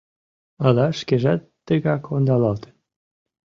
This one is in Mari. Ала шкежат тыгак ондалалтын?